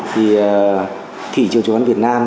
thì thị trường chứng khoán việt nam